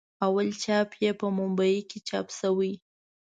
اول چاپ یې په بمبئي کې چاپ شوی.